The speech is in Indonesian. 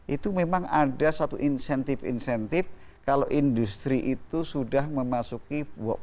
itu memang ada satu insentif insentif kalau industri itu sudah memasuki